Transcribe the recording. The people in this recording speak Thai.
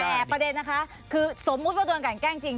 แต่ประเด็นนะคะคือสมมุติว่าโดนกันแกล้งจริง